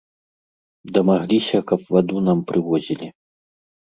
Дамагліся, каб ваду нам прывозілі.